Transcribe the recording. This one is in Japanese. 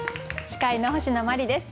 司会の星野真里です。